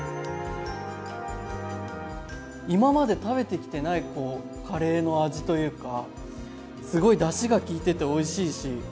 今まで食べてきてないカレーの味というかすごいだしが効いてておいしいし